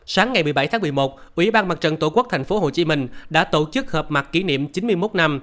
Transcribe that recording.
sáng ngày một mươi bảy tháng một mươi một ủy ban mặt trận tổ quốc tp hcm đã tổ chức hợp mặt kỷ niệm chín mươi một năm